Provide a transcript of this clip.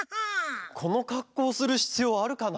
このかっこうするひつようあるかな？